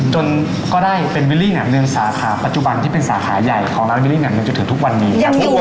จนก็ได้เป็นวิลลี่น้ำเนืองสาขาปัจจุบันที่เป็นสาขาใหญ่ของร้านวิลลี่น้ำเนืองจะถือทุกวันนี้